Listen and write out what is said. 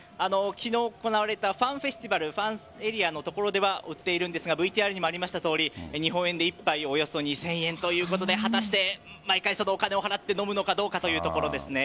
昨日行われたファンフェスティバルファンエリアの所では売っているんですがＶＴＲにもありましたとおり日本円で１杯２０００円ということで果たして毎回、そのお金を払って飲むのかどうかというところですね。